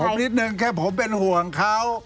ผมนิดนึงแค่ผมเป็นห่วงเขา